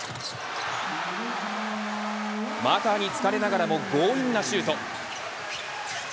マーカーに付かれながらも強引なシュート。